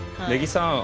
根木さん